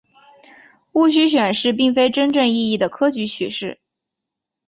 戊戌选试并非真正意义的科举取士。